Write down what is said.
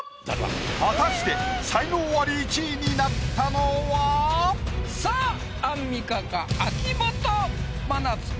果たして才能アリ１位になったのは⁉さあアンミカか？